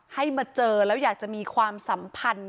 ให้มาเจอแล้วอยากจะมีความสัมพันธ์